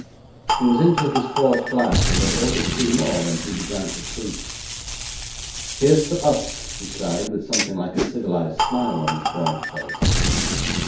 He was into his fourth glass, and had ordered two more when he began to speak. 'Here's to us,' he cried, with something like a civilised smile on his gaunt face.